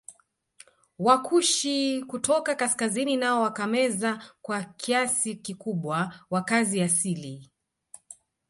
Wakushi kutoka kaskazini nao wakameza kwa kiasi kikubwa wakazi asili